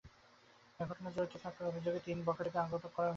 এ ঘটনায় জড়িত থাকার অভিযোগে তিন বখাটেকে আটক করা হয়েছে।